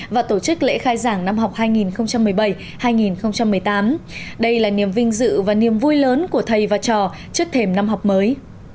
và tổ chức lễ khai giảng năm học hai nghìn một mươi bảy hai nghìn một mươi tám đây là niềm vinh dự và niềm vui lớn của thầy và trò trước thềm năm học mới